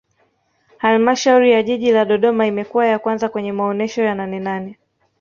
halmashauri ya jiji la dodoma imekuwa ya kwanza kwenye maonesho ya nanenane